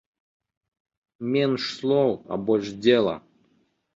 Менш слоў, а больш дзела.